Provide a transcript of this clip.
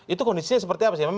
itu kondisinya seperti apa sih